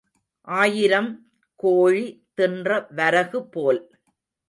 ஆயிரம் கோழி தின்ற வரகு போல்.